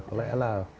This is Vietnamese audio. có lẽ là